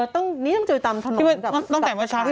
ต้องแต่งว่าชาติ